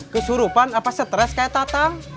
kesurupan apa stres kayak tatang